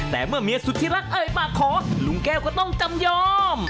แต่เมื่อเมียสุธิรักเอ่ยปากขอลุงแก้วก็ต้องจำยอม